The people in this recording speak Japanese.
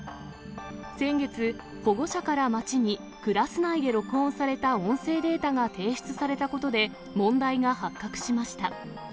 先月、保護者から町にクラス内で録音された音声データが提出されたことで、問題が発覚しました。